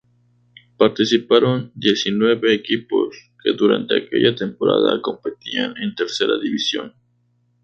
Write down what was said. Participaron diecinueve equipos que durante aquella temporada competían en Tercera División.